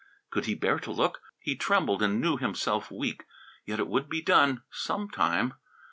Could he bear to look? He trembled and knew himself weak. Yet it would be done, some time.